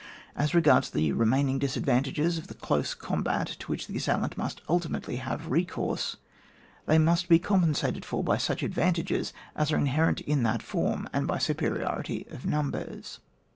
As regards the remaining disadvantages of the close com. bat, to which the assailant must ultimately have recourse, they must be compensated for by such advantages as are inherent in that form, and by superiority of numbers.